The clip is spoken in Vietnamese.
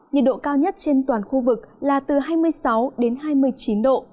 nhiệt độ cao nhất trên toàn khu vực là từ hai mươi sáu đến hai mươi chín độ